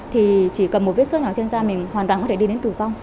thì chỉ cần một vết sức nhỏ trên da mình hoàn toàn có thể đi đến tử vong